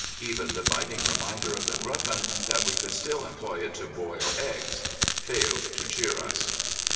Even the biting reminder of The Gruffin that we could still employ it to boil eggs in failed to cheer us.